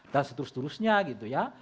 dan seterus terusnya gitu ya